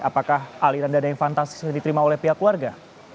apakah aliran dana yang fantastis diterima oleh pihak keluarga